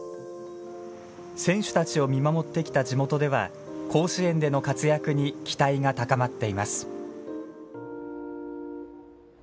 選手たちを見守ってきた地元では甲子園での活躍に期待が高まっています。